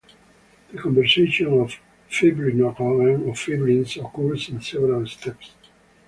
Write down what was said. The conversion of fibrinogen to fibrin occurs in several steps.